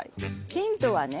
ヒントはね